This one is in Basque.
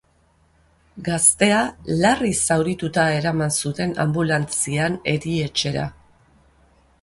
Gaztea larri zaurituta eraman zuten anbulantzian erietxera.